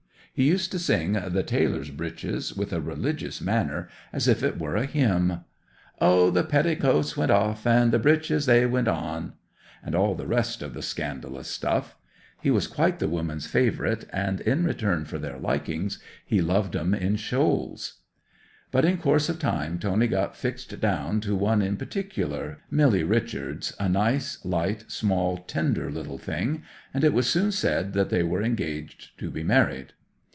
He used to sing "The Tailor's Breeches" with a religious manner, as if it were a hymn:— '"O the petticoats went off, and the breeches they went on!" and all the rest of the scandalous stuff. He was quite the women's favourite, and in return for their likings he loved 'em in shoals. 'But in course of time Tony got fixed down to one in particular, Milly Richards, a nice, light, small, tender little thing; and it was soon said that they were engaged to be married.